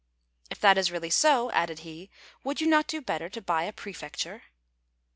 "If that is really so," added he, "would you not do better to buy a prefecture?"